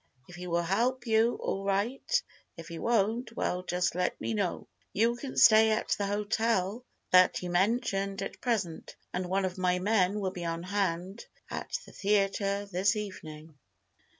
If he will help you, all right; if he won't, why just let me know. You can stay at that hotel that you mentioned at present, and one of my men will be on hand at the theatre this evening."